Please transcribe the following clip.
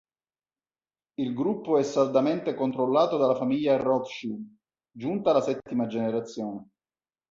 Il gruppo è saldamente controllato dalla famiglia Rothschild, giunta alla settima generazione.